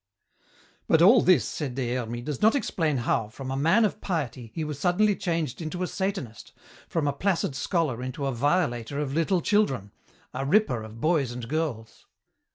"But all this," said Des Hermies, "does not explain how, from a man of piety, he was suddenly changed into a Satanist, from a placid scholar into a violator of little children, a 'ripper' of boys and girls."